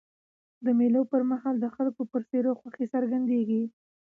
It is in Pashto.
د مېلو پر مهال د خلکو پر څېرو خوښي څرګندېږي.